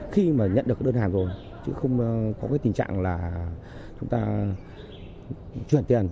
khi mà nhận được cái đơn hàng rồi chứ không có cái tình trạng là chúng ta chuyển tiền